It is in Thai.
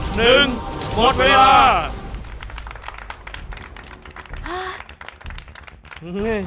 หมดเวลา